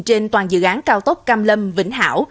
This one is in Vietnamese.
trên toàn dự án cao tốc cam lâm vĩnh hảo